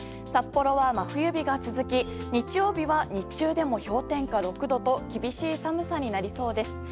札幌は真冬日が続き日曜日は日中でも氷点下６度と厳しい寒さになりそうです。